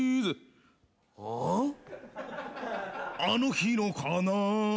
「あの日のかな